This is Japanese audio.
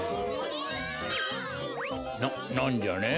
ななんじゃね？